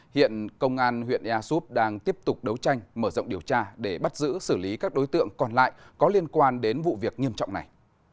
hiện công an huyện ea súp đang tiếp tục đấu tranh mở rộng điều tra để bắt giữ xử lý các đối tượng còn lại có liên quan đến vụ việc nghiêm trọng này